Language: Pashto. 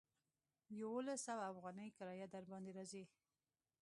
يوولس سوه اوغانۍ کرايه درباندې راځي.